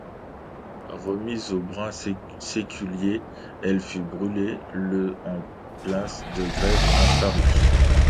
Remise au bras séculier, elle fut brûlée le en place de Grève à Paris.